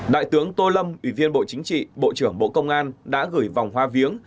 đại tướng tô lâm ủy viên bộ chính trị bộ trưởng bộ công an đã gửi vòng hoa viếng